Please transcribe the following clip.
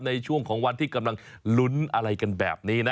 ในช่วงของวันที่กำลังลุ้นอะไรกันแบบนี้นะ